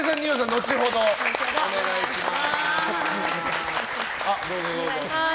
後ほどお願いします。